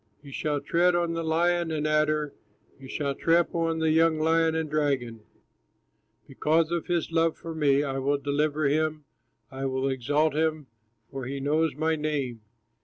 You shall tread on the lion and adder, You shall trample on the young lion and dragon. "Because of his love for me I will deliver him, I will exalt him, for he knows my name.